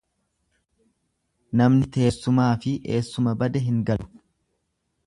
Namni teessumaafi eessuma bade hin galu.